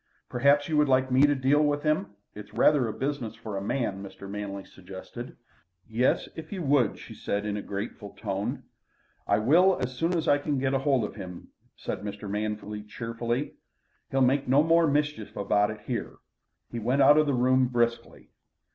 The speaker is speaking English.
"Perhaps you would like me to deal with him? It's rather a business for a man," Mr. Manley suggested. "Yes, if you would," she said in a grateful tone. "I will, as soon as I can get hold of him," said Mr. Manley cheerfully. "He'll make no more mischief about here," He went out of the room briskly.